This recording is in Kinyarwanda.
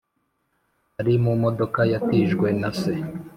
ari mumodoka yatijwe na se.